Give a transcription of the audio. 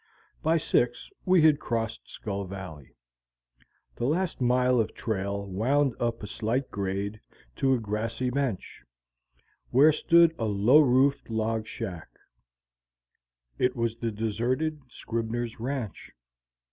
By six we had crossed Skull Valley. The last mile of trail wound up a slight grade to a grassy bench, where stood a low roofed, log shack; it was the deserted Scribner's Ranch.